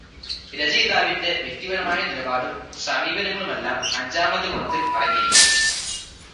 രചയിതാവിന്റെ വ്യക്തിപരമായ നിലപാടും സമീപനങ്ങളുമെല്ലാം അഞ്ചാമത്തെ ഗുണത്തിൽ അടങ്ങിയിരിക്കുന്നു.